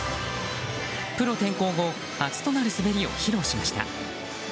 プロ転向後、初となる滑りを披露しました。